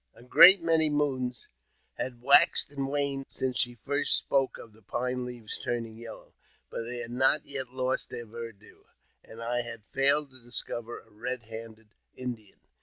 A great many moons had waxed and waned since she first spoke of the pine leaves tm ning yellow, but they had not yet lost their verdm^e, and I had iailed to discover a red handed Indian.